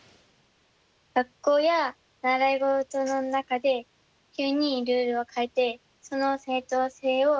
学校や習い事の中で急にルールを変えてその正当性を主張する人がいます。